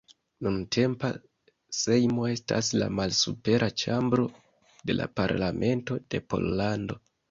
Nuntempa Sejmo estas la malsupera ĉambro de la parlamento de Pollando.